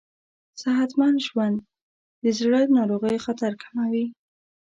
صحتمند ژوند د زړه ناروغیو خطر کموي.